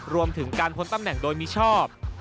รวมถึงการพ้นตำแหน่งโดยมิชอบ